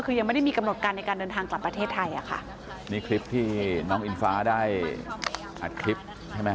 คือยังไม่ได้มีกำหนดการในการเดินทางกลับประเทศไทยอ่ะค่ะนี่คลิปที่น้องอิงฟ้าได้อัดคลิปใช่ไหม